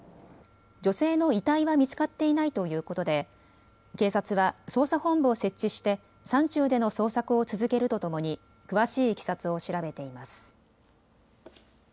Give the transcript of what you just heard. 女性の遺体は見つかっていないということで警察は捜査本部を設置して山中での捜索を続けるとともに詳しいいきさつを調べています。